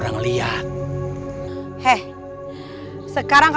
yang kyknya s'rel satu data mereka